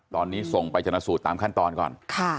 ตอนนี้ส่งไปชนะสูตรตามขั้นตอนก่อน